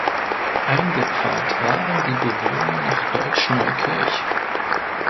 Eingepfarrt waren die Bewohner nach Deutsch Neukirch.